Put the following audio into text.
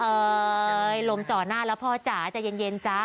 ลมจ่อหน้าแล้วพ่อจ๋าใจเย็นจ๊ะ